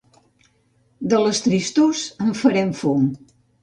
De les tristors, en farem fum.